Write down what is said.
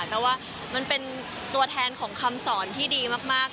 แต่ว่ามันเป็นตัวแทนของคำสอนที่ดีมาก